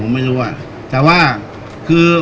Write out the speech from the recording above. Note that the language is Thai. การสำรรค์ของเจ้าชอบใช่